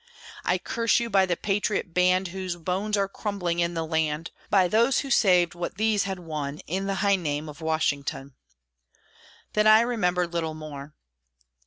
I curse you, by the patriot band Whose bones are crumbling in the land! By those who saved what these had won In the high name of Washington!" Then I remember little more.